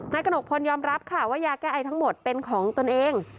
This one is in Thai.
กระหนกพลยอมรับค่ะว่ายาแก้ไอทั้งหมดเป็นของตนเอง